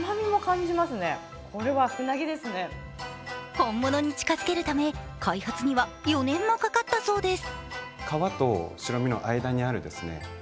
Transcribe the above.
本物に近づけるため開発には４年もかかったそうです。